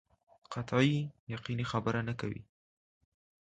قطعي یقیني خبره نه کوي.